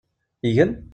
Igen?